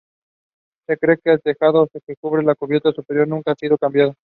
Se cree que el tejado que cubre la cubierta superior nunca ha sido cambiado.